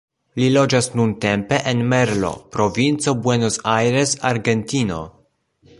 Li loĝas nuntempe en Merlo, provinco Buenos Aires, Argentino.